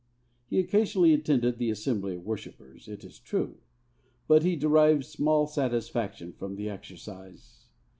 He occasionally attended the assembly of worshippers, it is true; but he derived small satisfaction from the exercise.